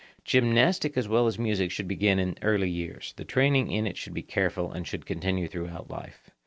Gymnastic as well as music should begin in early years; the training in it should be careful and should continue through life.